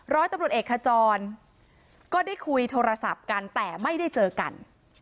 ร้อยตำรวจเอกขจรก็ได้คุยโทรศัพท์กันแต่ไม่ได้เจอกัน